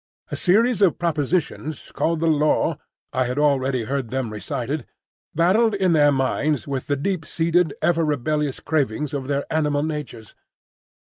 A series of propositions called the Law (I had already heard them recited) battled in their minds with the deep seated, ever rebellious cravings of their animal natures.